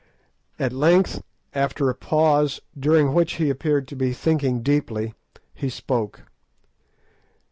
At length, after a pause, during which he appeared to be thinking deeply, he spoke.